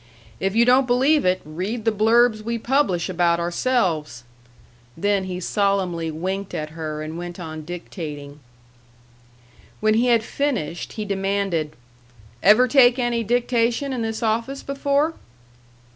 If you don't believe it, read the blurbs we publish about ourselves!" Then he solemnly winked at her and went on dictating. When he had finished he demanded, "Ever take any dictation in this office before?"